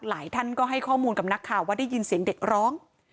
หลายท่านก็ให้ข้อมูลกับนักข่าวว่าได้ยินเสียงเด็กร้อง